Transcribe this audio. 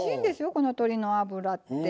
この鶏の脂って。